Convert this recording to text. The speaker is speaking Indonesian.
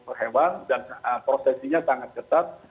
pehewak dan prosesinya sangat ketat